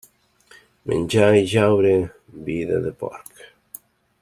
Menjar i jeure, vida de porc.